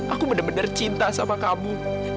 aku bener bener cinta sama kamu